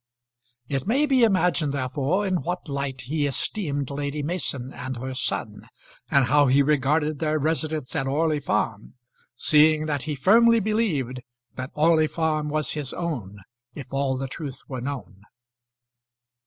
It may be imagined, therefore, in what light he esteemed Lady Mason and her son, and how he regarded their residence at Orley Farm, seeing that he firmly believed that Orley Farm was his own, if all the truth were known.